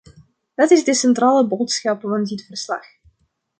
Dat is de centrale boodschap van dit verslag.